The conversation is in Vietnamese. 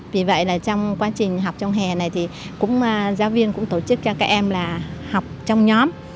vì vậy là trong quá trình học trong hè này thì cũng giáo viên cũng tổ chức cho các em là học trong nhóm